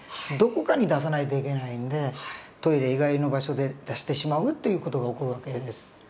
どこかに出さないといけないんでトイレ以外の場所で出してしまうっていう事が起こる訳です。